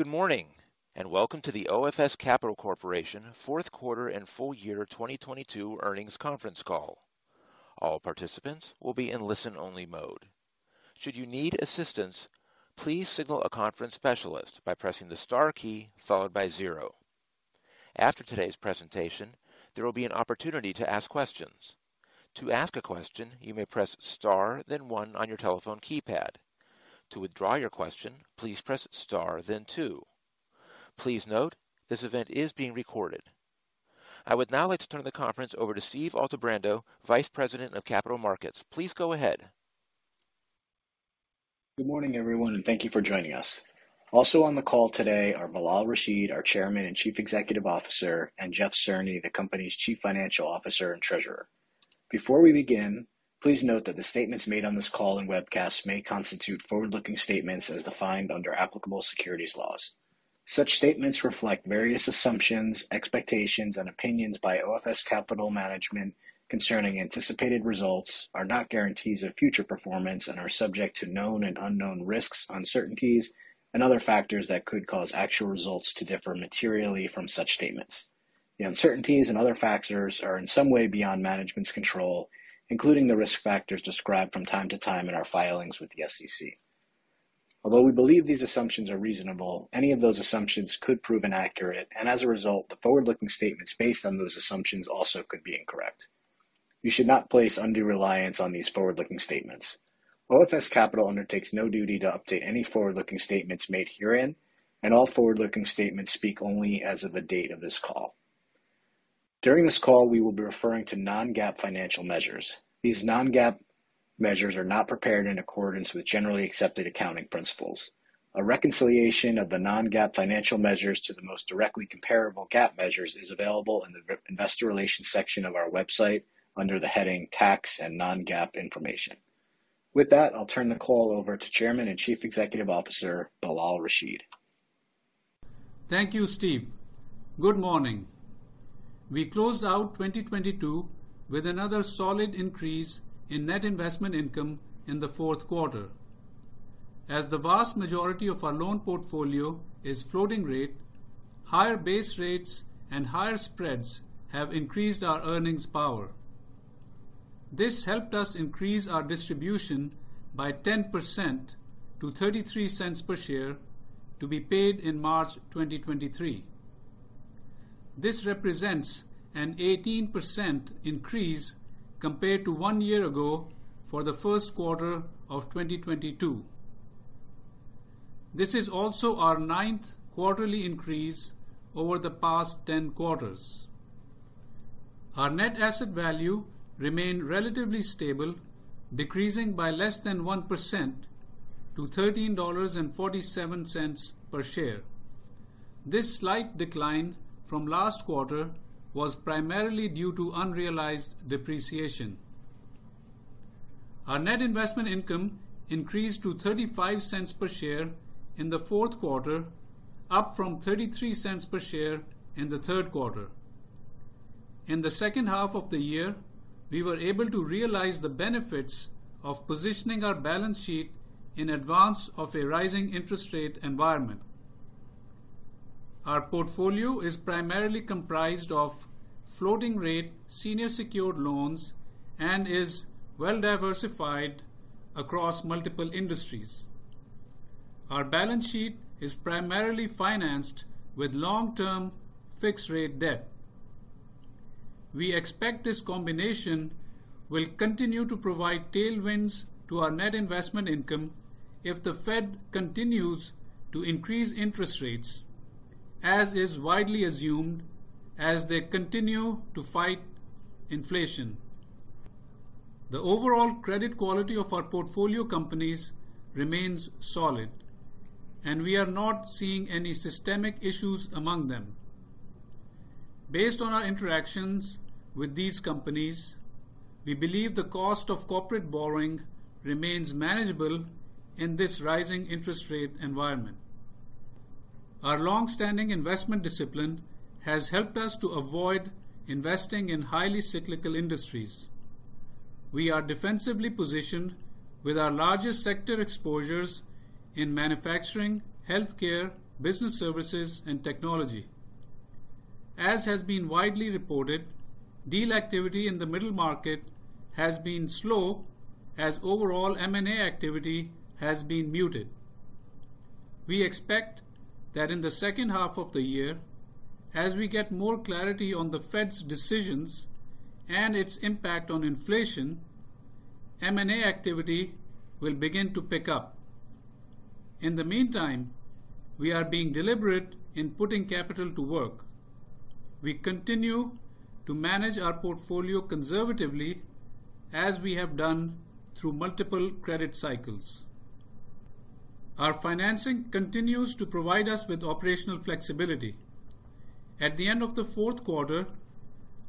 Good morning, and welcome to the OFS Capital Corporation fourth quarter and full year 2022 earnings conference call. All participants will be in listen-only mode. Should you need assistance, please signal a conference specialist by pressing the star key followed by zero. After today's presentation, there will be an opportunity to ask questions. To ask a question, you may press star then one on your telephone keypad. To withdraw your question, please press star then two. Please note, this event is being recorded. I would now like to turn the conference over to Steve Altebrando, Vice President of Capital Markets. Please go ahead. Good morning everyone, and thank you for joining us. Also on the call today are Bilal Rashid, our Chairman and Chief Executive Officer, and Jeffrey Cerny, the company's Chief Financial Officer and Treasurer. Before we begin, please note that the statements made on this call and webcast may constitute forward-looking statements as defined under applicable securities laws. Such statements reflect various assumptions, expectations, and opinions by OFS Capital management concerning anticipated results, are not guarantees of future performance, and are subject to known and unknown risks, uncertainties, and other factors that could cause actual results to differ materially from such statements. The uncertainties and other factors are in some way beyond management's control, including the risk factors described from time to time in our filings with the SEC. Although we believe these assumptions are reasonable, any of those assumptions could prove inaccurate, and as a result, the forward-looking statements based on those assumptions also could be incorrect. You should not place undue reliance on these forward-looking statements. OFS Capital undertakes no duty to update any forward-looking statements made herein, and all forward-looking statements speak only as of the date of this call. During this call, we will be referring to non-GAAP financial measures. These non-GAAP measures are not prepared in accordance with generally accepted accounting principles. A reconciliation of the non-GAAP financial measures to the most directly comparable GAAP measures is available in the investor relations section of our website under the heading Tax and Non-GAAP Information. With that, I'll turn the call over to Chairman and Chief Executive Officer, Bilal Rashid. Thank you Steve. Good morning. We closed out 2022 with another solid increase in net investment income in the fourth quarter. As the vast majority of our loan portfolio is floating rate, higher base rates and higher spreads have increased our earnings power. This helped us increase our distribution by 10% to $0.33 per share to be paid in March 2023. This represents an 18% increase compared to one year ago for the first quarter of 2022. This is also our ninth quarterly increase over the past 10 quarters. Our net asset value remained relatively stable, decreasing by less than 1% to $13.47 per share. This slight decline from last quarter was primarily due to unrealized depreciation. Our net investment income increased to $0.35 per share in the fourth quarter, up from $0.33 per share in the third quarter. In the second half of the year, we were able to realize the benefits of positioning our balance sheet in advance of a rising interest rate environment. Our portfolio is primarily comprised of; Floating rate, senior secured, loans, and is well diversified across multiple industries. Our balance sheet is primarily financed with long-term fixed rate debt. We expect this combination will continue to provide tailwinds to our net investment income if the Fed continues to increase interest rates, as is widely assumed as they continue to fight inflation. The overall credit quality of our portfolio companies remains solid, and we are not seeing any systemic issues among them. Based on our interactions with these companies, we believe the cost of corporate borrowing remains manageable in this rising interest rate environment. Our long-standing investment discipline has helped us to avoid investing in highly cyclical industries. We are defensively positioned with our largest sector exposures in manufacturing, healthcare, business services, and technology. As has been widely reported, deal activity in the middle market has been slow as overall M&A activity has been muted. We expect that in the second half of the year, as we get more clarity on the Fed's decisions and its impact on inflation, M&A activity will begin to pick up. In the meantime, we are being deliberate in putting capital to work. We continue to manage our portfolio conservatively as we have done through multiple credit cycles. Our financing continues to provide us with operational flexibility. At the end of the fourth quarter,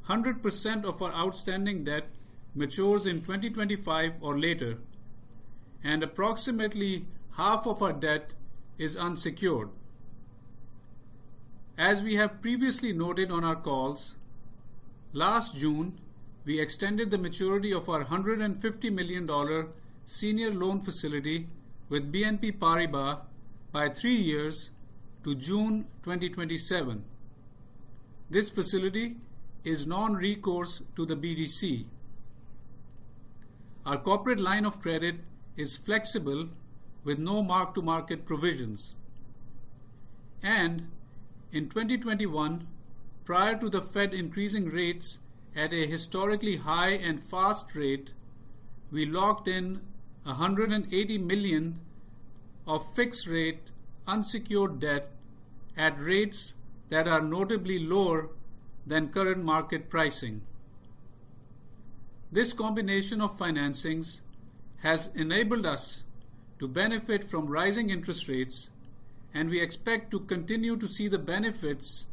100% of our outstanding debt matures in 2025 or later, and approximately half of our debt is unsecured. As we have previously noted on our calls, last June, we extended the maturity of our $150 million senior loan facility with BNP Paribas by three years to June 2027. This facility is non-recourse to the BDC. Our corporate line of credit is flexible with no mark-to-market provisions. In 2021, prior to the Fed increasing rates at a historically high and fast rate, we locked in $180 million of fixed rate unsecured debt at rates that are notably lower than current market pricing. This combination of financings has enabled us to benefit from rising interest rates, and we expect to continue to see the benefits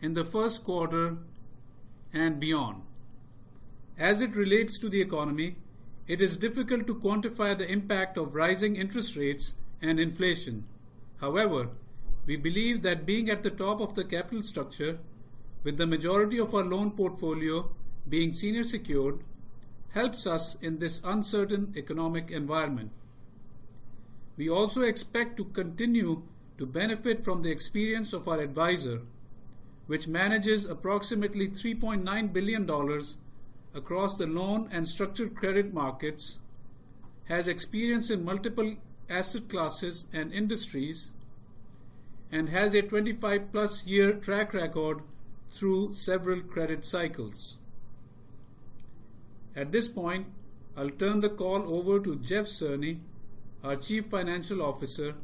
in the first quarter and beyond. As it relates to the economy, it is difficult to quantify the impact of rising interest rates and inflation. However, we believe that being at the top of the capital structure with the majority of our loan portfolio being senior secured, helps us in this uncertain economic environment. We also expect to continue to benefit from the experience of our advisor, which manages approximately $3.9 billion across the loan and structured credit markets, has experience in multiple asset classes and industries, and has a 25+ year track record through several credit cycles. At this point, I'll turn the call over to Jeffrey Cerny, our Chief Financial Officer,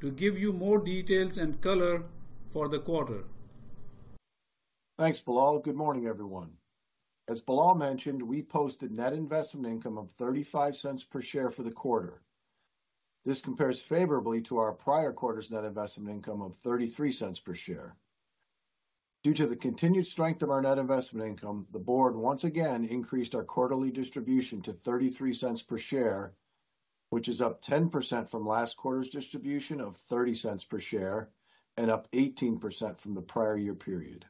to give you more details and color for the quarter. Thanks Bilal. Good morning everyone. As Bilal mentioned, we posted net investment income of $0.35 per share for the quarter. This compares favorably to our prior quarter's net investment income of $0.33 per share. Due to the continued strength of our net investment income, the board once again increased our quarterly distribution to $0.33 per share, which is up 10% from last quarter's distribution of $0.30 per share and up 18% from the prior year period.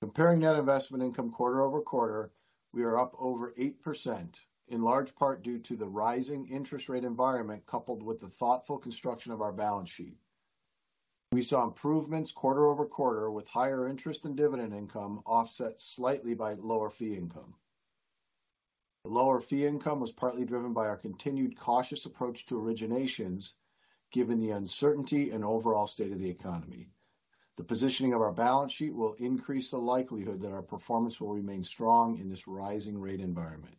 Comparing net investment income quarter-over-quarter, we are up over 8%, in large part due to the rising interest rate environment coupled with the thoughtful construction of our balance sheet. We saw improvements quarter-over-quarter with higher interest in dividend income offset slightly by lower fee income. The lower fee income was partly driven by our continued cautious approach to originations, given the uncertainty and overall state of the economy. The positioning of our balance sheet will increase the likelihood that our performance will remain strong in this rising rate environment.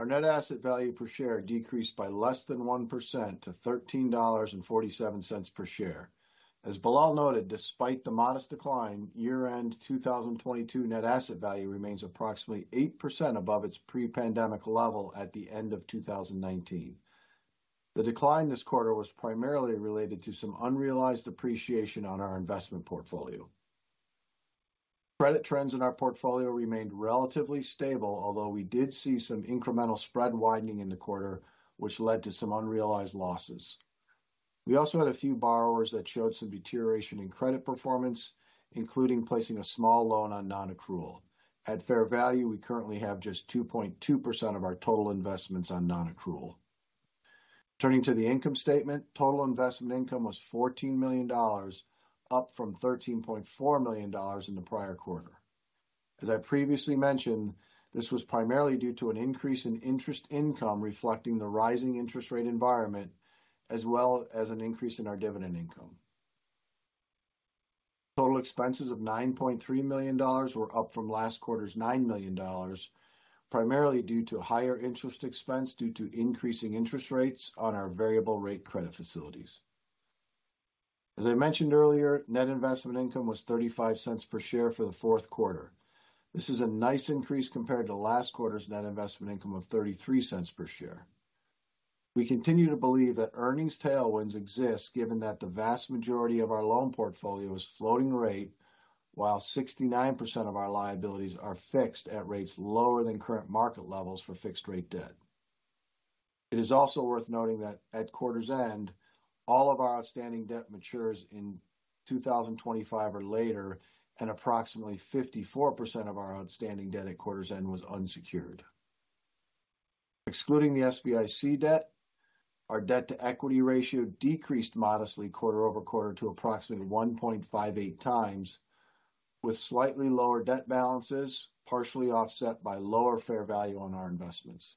Our net asset value per share decreased by less than 1% to $13.47 per share. As Bilal noted, despite the modest decline, year-end 2022 net asset value remains approximately 8% above its pre-pandemic level at the end of 2019. The decline this quarter was primarily related to some unrealized appreciation on our investment portfolio. Credit trends in our portfolio remained relatively stable, although we did see some incremental spread widening in the quarter, which led to some unrealized losses. We also had a few borrowers that showed some deterioration in credit performance, including placing a small loan on non-accrual. At fair value, we currently have just 2.2% of our total investments on non-accrual. Turning to the income statement, total investment income was $14 million, up from $13.4 million in the prior quarter. As I previously mentioned, this was primarily due to an increase in interest income reflecting the rising interest rate environment, as well as an increase in our dividend income. Total expenses of $9.3 million were up from last quarter's $9 million, primarily due to higher interest expense due to increasing interest rates on our variable rate credit facilities. As I mentioned earlier, net investment income was $0.35 per share for the fourth quarter. This is a nice increase compared to last quarter's net investment income of $0.33 per share. We continue to believe that earnings tailwinds exist given that the vast majority of our loan portfolio is floating rate, while 69% of our liabilities are fixed at rates lower than current market levels for fixed rate debt. It is also worth noting that at quarter's end, all of our outstanding debt matures in 2025 or later. Approximately 54% of our outstanding debt at quarter's end was unsecured. Excluding the SBIC debt, our debt-to-equity ratio decreased modestly quarter-over-quarter to approximately 1.58x, with slightly lower debt balances, partially offset by lower fair value on our investments.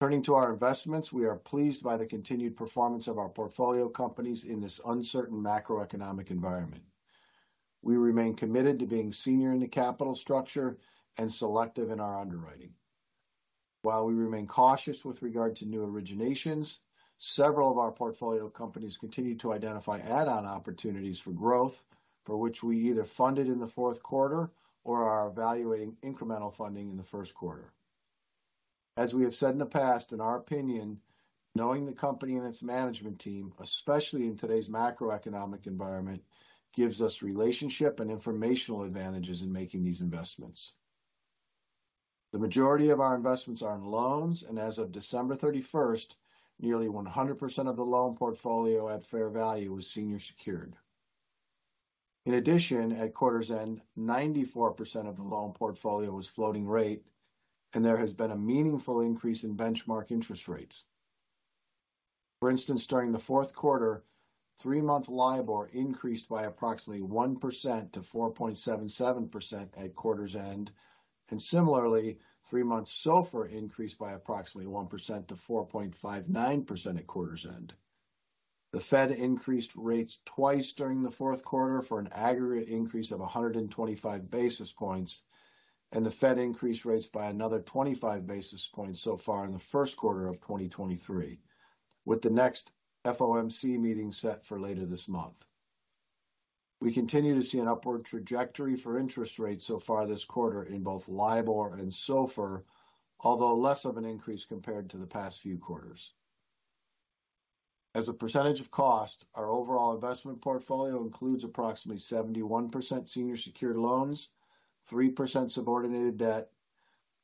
Turning to our investments, we are pleased by the continued performance of our portfolio companies in this uncertain macroeconomic environment. We remain committed to being senior in the capital structure and selective in our underwriting. While we remain cautious with regard to new originations, several of our portfolio companies continue to identify add-on opportunities for growth for which we either funded in the fourth quarter or are evaluating incremental funding in the first quarter. As we have said in the past, in our opinion, knowing the company and its management team, especially in today's macroeconomic environment, gives us relationship and informational advantages in making these investments. The majority of our investments are in loans, and as of December 31st, nearly 100% of the loan portfolio at fair value was senior secured. In addition, at quarter's end, 94% of the loan portfolio was floating rate, and there has been a meaningful increase in benchmark interest rates. For instance, during the fourth quarter, three-month LIBOR increased by approximately 1% to 4.77% at quarter's end. Similarly, three-month SOFR increased by approximately 1% to 4.59% at quarter's end. The Fed increased rates twice during the fourth quarter for an aggregate increase of 125 basis points. The Fed increased rates by another 25 basis points so far in the first quarter of 2023, with the next FOMC meeting set for later this month. We continue to see an upward trajectory for interest rates so far this quarter in both LIBOR and SOFR, although less of an increase compared to the past few quarters. As a percentage of cost, our overall investment portfolio includes approximately 71% senior secured loans, 3% subordinated debt,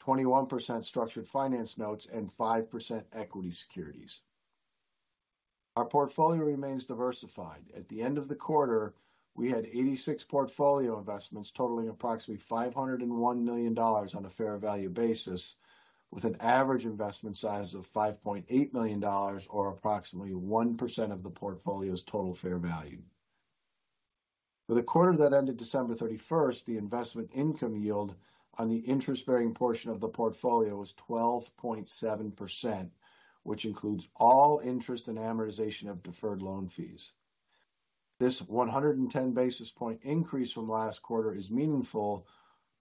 21% structured finance notes, and 5% equity securities. Our portfolio remains diversified. At the end of the quarter, we had 86 portfolio investments totaling approximately $501 million on a fair value basis, with an average investment size of $5.8 million or approximately 1% of the portfolio's total fair value. For the quarter that ended December 31st, the investment income yield on the interest-bearing portion of the portfolio was 12.7%, which includes all interest and amortization of deferred loan fees. This 110 basis point increase from last quarter is meaningful,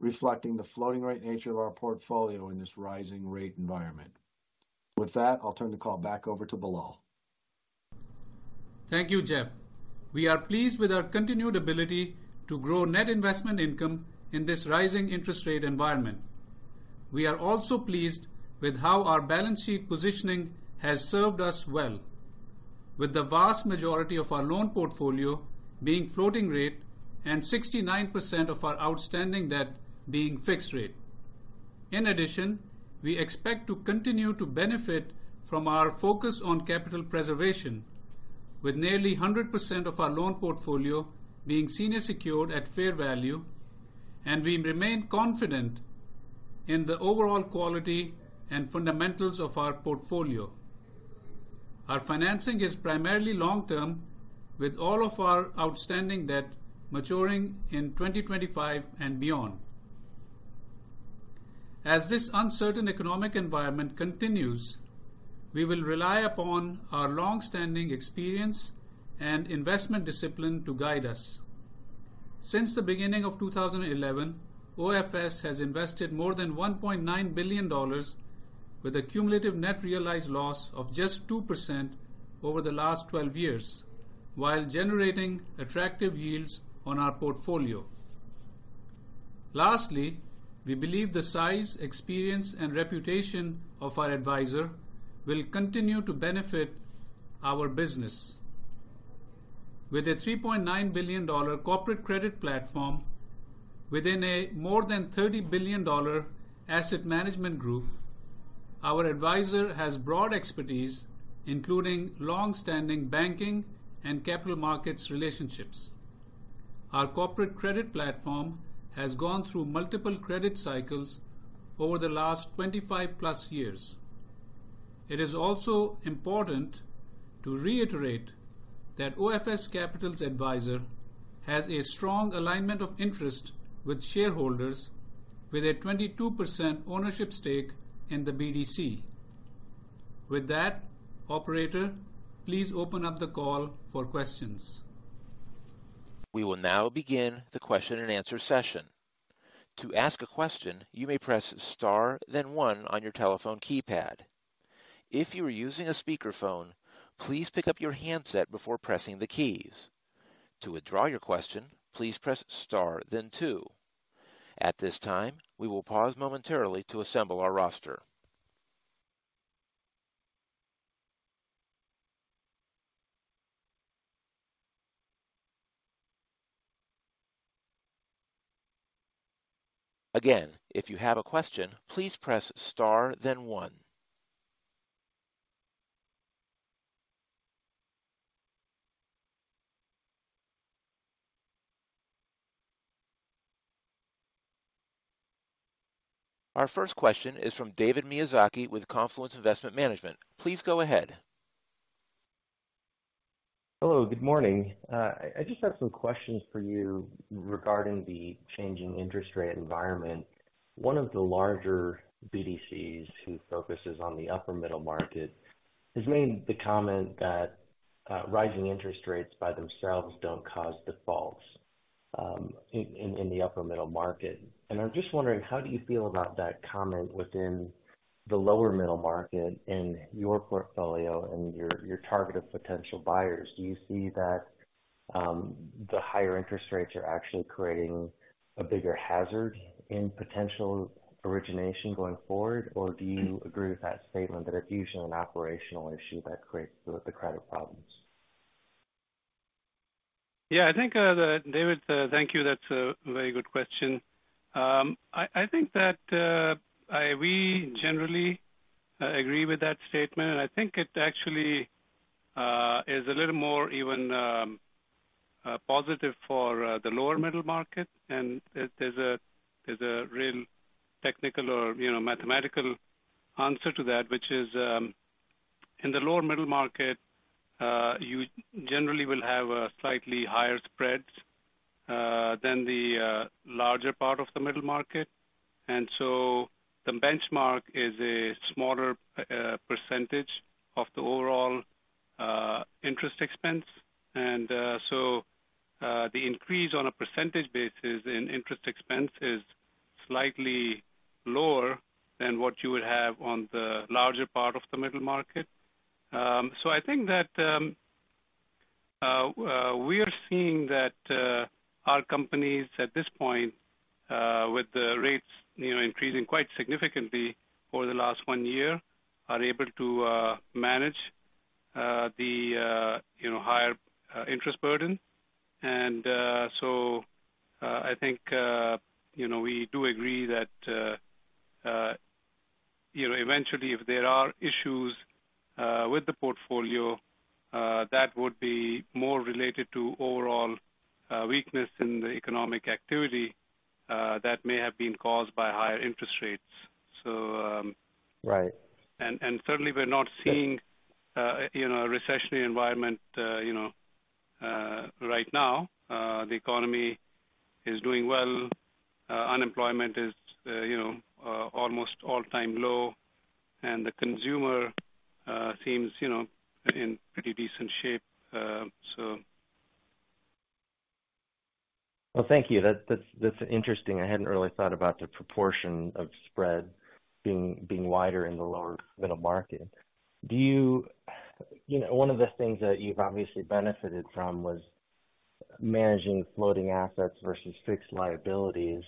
reflecting the floating rate nature of our portfolio in this rising rate environment. With that, I'll turn the call back over to Bilal. Thank you Jeff. We are pleased with our continued ability to grow net investment income in this rising interest rate environment. We are also pleased with how our balance sheet positioning has served us well, with the vast majority of our loan portfolio being floating rate and 69% of our outstanding debt being fixed rate. We expect to continue to benefit from our focus on capital preservation, with nearly 100% of our loan portfolio being senior secured at fair value, and we remain confident in the overall quality and fundamentals of our portfolio. Our financing is primarily long term, with all of our outstanding debt maturing in 2025 and beyond. As this uncertain economic environment continues, we will rely upon our long-standing experience and investment discipline to guide us. Since the beginning of 2011, OFS has invested more than $1.9 billion with a cumulative net realized loss of just 2% over the last 12 years while generating attractive yields on our portfolio. We believe the size, experience, and reputation of our advisor will continue to benefit our business. With a $3.9 billion corporate credit platform within a more than $30 billion asset management group, our advisor has broad expertise, including long-standing banking and capital markets relationships. Our corporate credit platform has gone through multiple credit cycles over the last 25+ years. It is also important to reiterate that OFS Capital's advisor has a strong alignment of interest with shareholders with a 22% ownership stake in the BDC. With that, Operator, please open up the call for questions. We will now begin the question and answer session. To ask a question, you may press star then one on your telephone keypad. If you are using a speakerphone, please pick up your handset before pressing the keys. To withdraw your question, please press star then two. At this time, we will pause momentarily to assemble our roster. Again, if you have a question, please press star then one. Our first question is from David Miyazaki with Confluence Investment Management. Please go ahead. Hello good morning. I just have some questions for you regarding the changing interest rate environment. One of the larger BDCs who focuses on the upper middle market has made the comment that rising interest rates by themselves don't cause defaults in the upper middle market. I'm just wondering, how do you feel about that comment within the lower middle market in your portfolio and your target of potential buyers? Do you see that the higher interest rates are actually creating a bigger hazard in potential origination going forward? Do you agree with that statement that it's usually an operational issue that creates the credit problems? Yeah, I think David, thank you. That's a very good question. I think that we generally agree with that statement. I think it actually is a little more even positive for the lower middle market. There's a real technical or, you know, mathematical answer to that, which is, in the lower middle market, you generally will have slightly higher spreads than the larger part of the middle market. The benchmark is a smaller percentage of the overall interest expense. The increase on a percentage basis in interest expense is slightly lower than what you would have on the larger part of the middle market. I think that we are seeing that our companies at this point, with the rates, you know, increasing quite significantly over the last one year, are able to manage the, you know, higher interest burden. I think, you know, we do agree that, you know, eventually if there are issues with the portfolio, that would be more related to overall weakness in the economic activity, that may have been caused by higher interest rates. Right. Certainly we're not seeing, you know, a recessionary environment, you know right now, the economy is doing well. Unemployment is, you know, almost all-time low. The consumer, seems, you know, in pretty decent shape, so. Well, thank you. That's interesting. I hadn't really thought about the proportion of spread being wider in the lower middle market. You know, one of the things that you've obviously benefited from was managing floating assets versus fixed liabilities,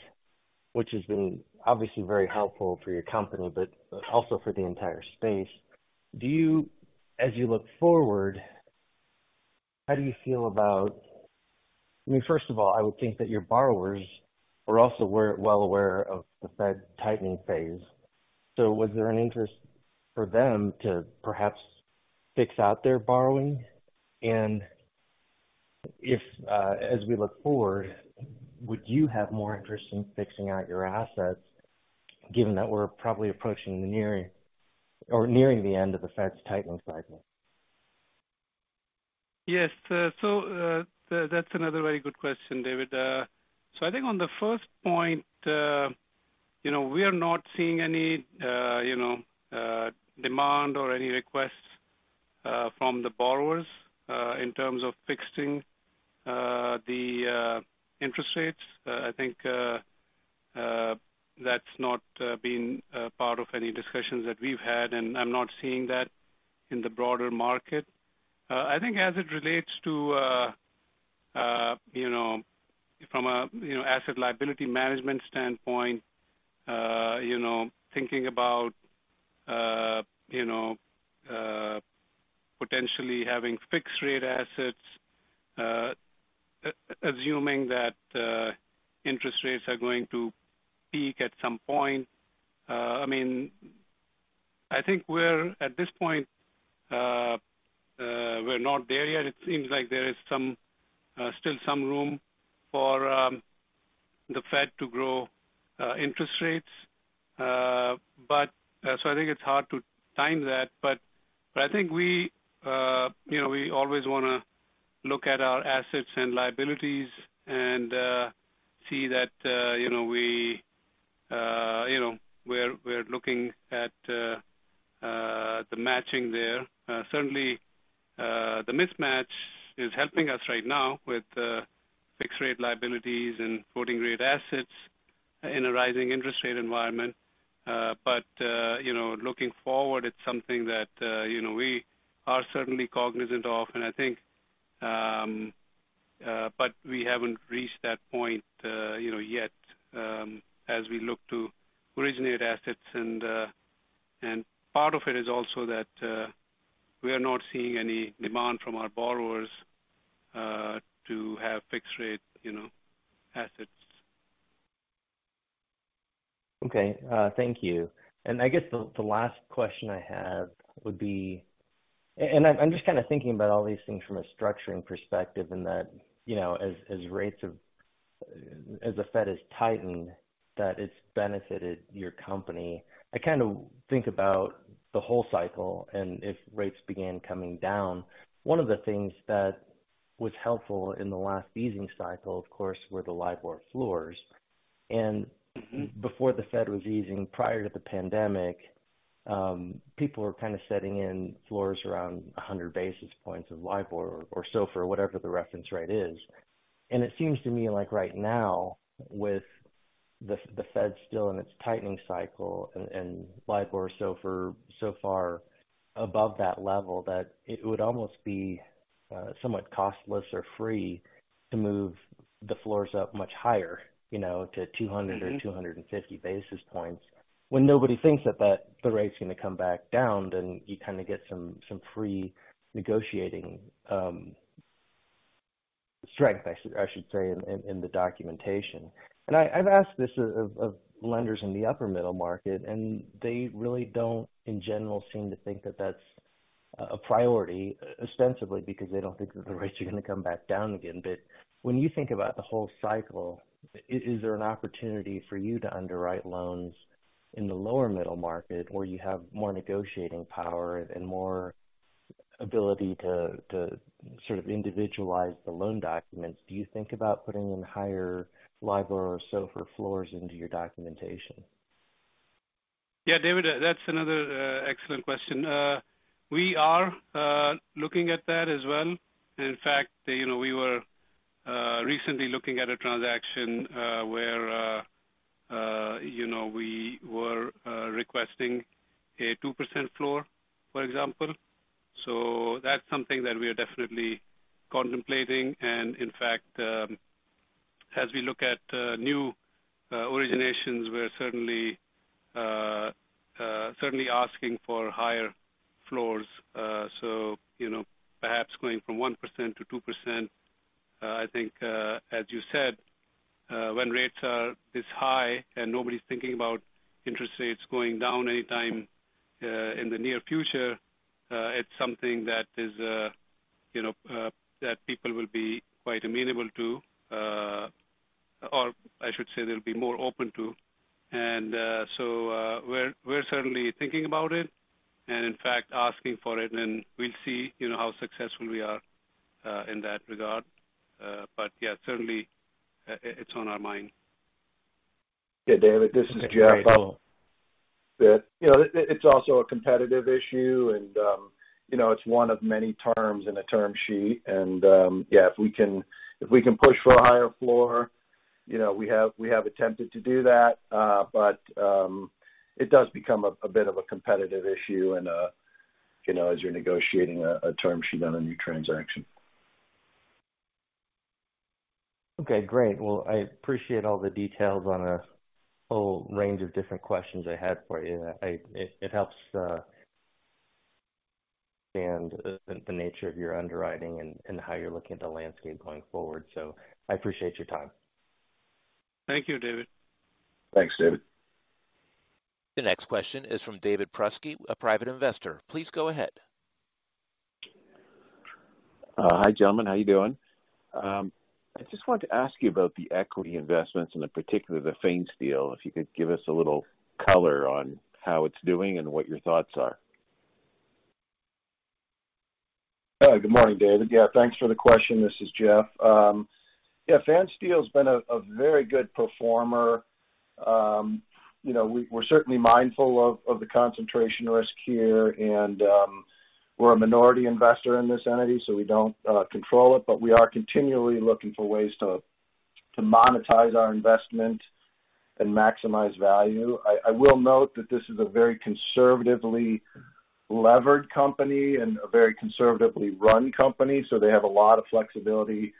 which has been obviously very helpful for your company, but also for the entire space. As you look forward, how do you feel about? I mean, first of all, I would think that your borrowers are also well aware of the Fed tightening phase. So was there an interest for them to perhaps fix out their borrowing? If, as we look forward, would you have more interest in fixing out your assets, given that we're probably approaching the nearing the end of the Fed's tightening cycle? Yes. That's another very good question David. So I think on the first point, you know, we are not seeing any, you know, demand or any requests from the borrowers in terms of fixing the interest rates. I think that's not been a part of any discussions that we've had, and I'm not seeing that in the broader market. I think as it relates to, you know, from a, you know, asset liability management standpoint, you know, thinking about, you know, potentially having fixed rate assets, assuming that interest rates are going to peak at some point. I mean, I think we're at this point, we're not there yet. It seems like there is still some room for the Fed to grow interest rates. I think it's hard to time that. I think we, you know, we always wanna look at our assets and liabilities and see that, you know, we, you know, we're looking at the matching there. Certainly, the mismatch is helping us right now with fixed rate liabilities and floating rate assets in a rising interest rate environment, but you know, looking forward, it's something that, you know, we are certainly cognizant of, and I think. We haven't reached that point, you know, yet, as we look to originate assets. part of it is also that we are not seeing any demand from our borrowers to have fixed rate, you know, assets. Okay, thank you. I guess the last question I have would be. I'm just kinda thinking about all these things from a structuring perspective and that, you know, as rates have as the Fed has tightened, that it's benefited your company. I kinda think about the whole cycle and if rates began coming down. One of the things that was helpful in the last easing cycle, of course, were the LIBOR floors. Mm-hmm. Before the Fed was easing, prior to the pandemic, people were kinda setting in floors around 100 basis points of LIBOR or SOFR, whatever the reference rate is. It seems to me like right now, with the Fed still in its tightening cycle and LIBOR or SOFR so far above that level, that it would almost be somewhat costless or free to move the floors up much higher, you know, to 200 or 250 basis points. When nobody thinks that the rate's gonna come back down, then you kinda get some free negotiating, Strength, I should say in the documentation. I've asked this of lenders in the upper middle market, and they really don't, in general, seem to think that's a priority, ostensibly because they don't think that the rates are gonna come back down again. When you think about the whole cycle, is there an opportunity for you to underwrite loans in the lower middle market where you have more negotiating power and more ability to sort of individualize the loan documents? Do you think about putting in higher LIBOR or SOFR floors into your documentation? Yeah David, that's another excellent question. We are looking at that as well. In fact, you know, we were recently looking at a transaction where, you know, we were requesting a 2% floor, for example. That's something that we are definitely contemplating. In fact, as we look at new originations, we're certainly asking for higher floors. You know, perhaps going from 1% to 2%. I think, as you said, when rates are this high and nobody's thinking about interest rates going down anytime in the near future, it's something that is, you know, that people will be quite amenable to, or I should say they'll be more open to. We're certainly thinking about it and in fact asking for it, and we'll see, you know, how successful we are in that regard, but yeah, certainly, it's on our mind. Yeah, David, this is Jeff. You know, it's also a competitive issue and, you know, it's one of many terms in a term sheet. Yeah, if we can push for a higher floor, you know, we have attempted to do that. It does become a bit of a competitive issue and, you know, as you're negotiating a term sheet on a new transaction. Okay, great. Well, I appreciate all the details on a whole range of different questions I had for you. It helps and the nature of your underwriting and how you're looking at the landscape going forward. I appreciate your time. Thank you David. Thanks David. The next question is from David Prusky, a private investor. Please go ahead. Hi gentlemen, how are you doing? I just wanted to ask you about the equity investments and in particular the Van Steel. If you could give us a little color on how it's doing and what your thoughts are. Good morning David, yeah thanks for the question this is Jeff. Van Steel's been a very good performer. You know, we're certainly mindful of the concentration risk here and we're a minority investor in this entity, so we don't control it, but we are continually looking for ways to monetize our investment and maximize value. I will note that this is a very conservatively levered company and a very conservatively run company, so they have a lot of flexibility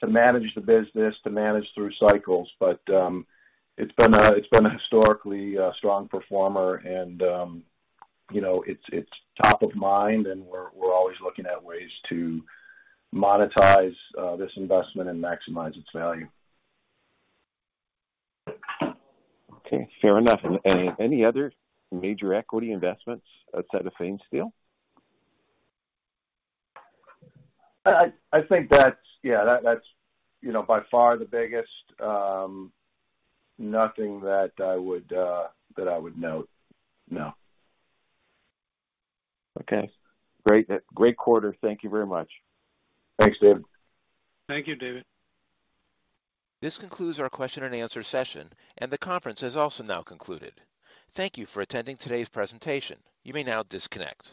to manage the business, to manage through cycles. It's been a historically strong performer and, you know, it's top of mind and we're always looking at ways to monetize this investment and maximize its value. Okay, fair enough. Any other major equity investments outside of Van Steel? I think that's. Yeah, that's, you know, by far the biggest. Nothing that I would, that I would note. No. Okay, great. Great quarter. Thank Thank you very much. Thanks David. Thank you, David. This concludes our question and answer session, and the conference has also now concluded. Thank you for attending today's presentation. You may now disconnect.